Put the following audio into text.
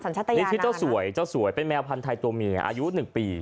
สร้างทางนี้ที่เจ้าสวยเป็นแมวภัณฑ์ไทยตัวเมียอายุหนึ่งปี